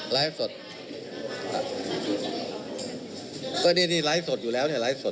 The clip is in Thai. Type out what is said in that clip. ไลฟ์สดอยู่แล้ว